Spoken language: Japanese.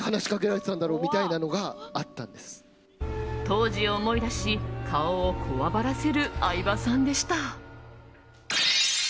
当時を思い出し顔をこわばらせる相葉さんでした。